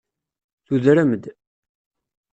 Tudrem-d.